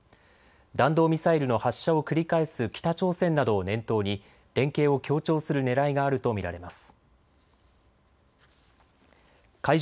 弾道ミサイルの発射を繰り返す北朝鮮などを念頭に連携を強調するねらいがあると見られます。